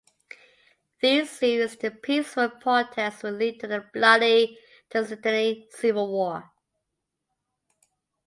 These series of peaceful protests would lead to the bloody Tajikistani Civil War.